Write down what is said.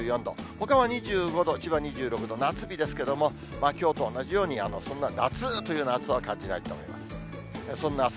ほかは２５度、千葉２６度、夏日ですけども、きょうと同じように、そんな夏というような暑さは感じないと思います。